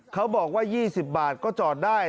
เขาบอกว่า๒๐บาทก็จอดได้